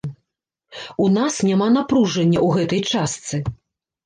У нас няма напружання ў гэтай частцы.